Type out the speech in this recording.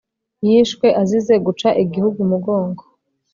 yishwe azize guca igihugu umugongo